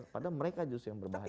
padahal mereka yang berbahaya